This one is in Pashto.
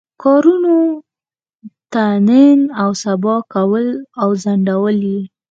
کارونو ته نن او سبا کول او ځنډول یې.